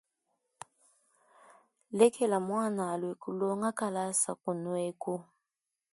Lekela muana alue kulonga kalasa kunueku.